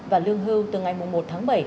và lương hưu từ ngày một tháng bảy